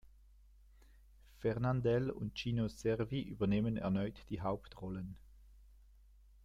Fernandel und Gino Cervi übernahmen erneut die Hauptrollen.